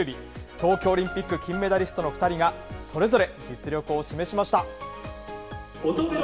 東京オリンピック金メダリストの２人が、それぞれ実力を示しました。